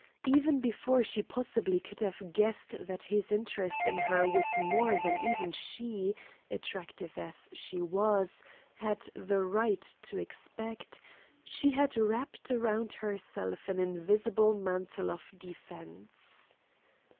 Even before she possibly could have guessed that his interest in her was more than even she, attractive as she was, had the right to expect, she had wrapped around herself an invisible mantle of defense.